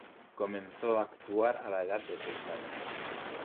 Comenzó a actuar a la edad de seis años.